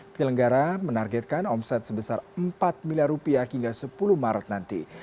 penyelenggara menargetkan omset sebesar empat miliar rupiah hingga sepuluh maret nanti